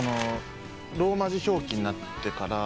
ローマ字表記になってから。